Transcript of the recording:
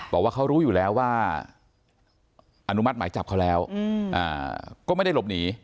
บอกว่าเขารู้อยู่แล้วว่าอนุมัติหมายจับเขาแล้วก็ไม่ได้หลบหนี